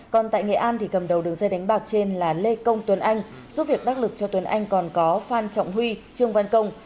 còn tại nghệ an thì cầm đầu đường dây đánh bạc trên là lê công tuấn anh giúp việc đắc lực cho tuấn anh còn có phan trọng huy trương văn công